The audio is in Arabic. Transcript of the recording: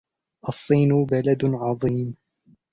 الصين بلد عظيم.